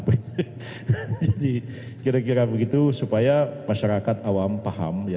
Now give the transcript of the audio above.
jadi kira kira begitu supaya masyarakat awam paham